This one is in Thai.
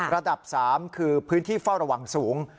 ระดับ๓คือพื้นที่เฝ้าระวังสูง